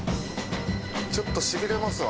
ちょっとしびれますわ。